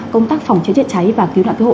công tác phòng cháy chữa cháy và cứu nạn cứu hộ